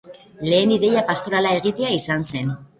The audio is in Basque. Lehen ideia pastorala egitea izan zen.